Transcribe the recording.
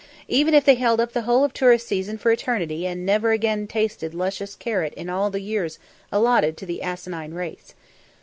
even if they held up the whole of the tourist season for eternity and never again tasted luscious carrot in all the years allotted to the asinine race.